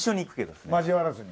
交わらずに。